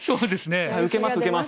受けます受けます。